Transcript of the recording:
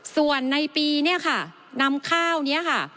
ส่วนในปีเนี่ยค่ะนำข้าวนี้ค่ะ